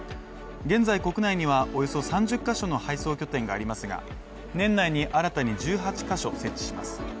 現在国内にはおよそ３０ヶ所の配送拠点がありますが、年内に新たに１８ヶ所設置します。